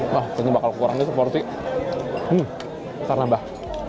wah ini bakal ukurannya seperti hmm karnabah